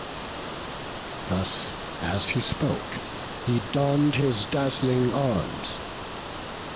Thus as he spoke, he donn'd his dazzling arms.